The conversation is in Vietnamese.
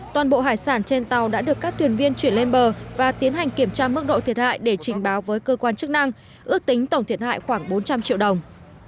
toàn bộ hải sản trên tàu đã được các thuyền viên chuyển lên bờ và tiến hành kiểm tra mức độ thiệt hại để trình báo với cơ quan chức năng ước tính tổng thiệt hại khoảng bốn trăm linh triệu đồng